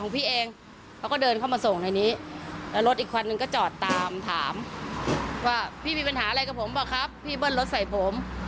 พี่มีปัญหาอะไรกับผมบอกครับพี่เบิ้ลรถใส่ผม